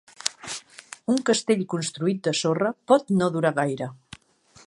Un castell construït de sorra pot no durar gaire.